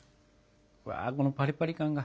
うわこのパリパリ感が。